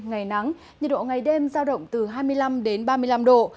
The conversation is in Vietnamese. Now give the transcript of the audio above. ngày nắng nhiệt độ ngày đêm giao động từ hai mươi năm đến ba mươi năm độ